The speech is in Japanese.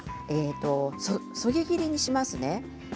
そぎ切りにしますね。